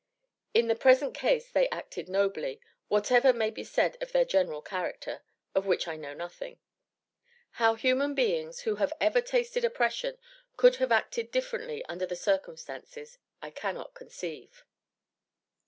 In the present case they acted nobly, whatever may be said of their general character, of which I know nothing. How human beings, who have ever tasted oppression, could have acted differently under the circumstances I cannot conceive.